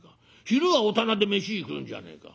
昼は御店で飯食うんじゃねえか。